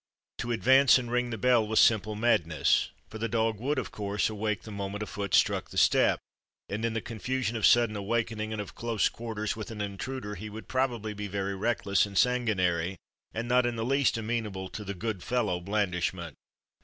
To advance and ring the bell was simple madness, for the dog would of course awake the moment a foot struck the step, and in the confusion of sudden awakening and of close quarters with an intruder he would probably be very reckless and sanguinary, and not in the least amenable to the "good fellow" blandishment.